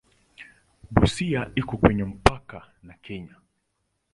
Busia iko kwenye mpaka na Kenya.